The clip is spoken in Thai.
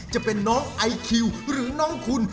จะเป็นน้องไอคิวหรือน้องคุณ